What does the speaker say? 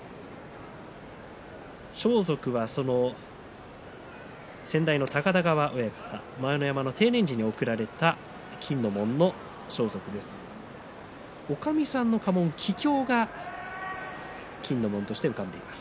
装束は先代の高田川親方前乃山の定年時に贈られた金の紋の装束です。